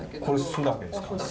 これ酢だけですか？